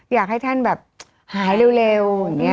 อยากให้ท่านแบบหายเร็ว